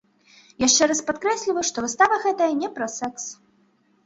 Яшчэ раз падкрэсліваю, што выстава гэтая не пра сэкс!